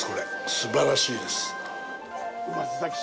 すばらしいです。